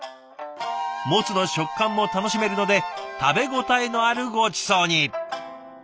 モツの食感も楽しめるので食べ応えのあるごちそうに。